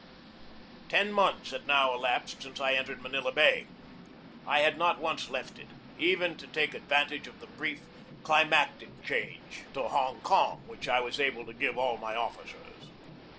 Ten months had now elapsed since I entered Manila Bay. I had not once left it, even to take ad vantage of the brief climatic change to Hong Kong SINCE MANILA 287 which I was able to give all my officers.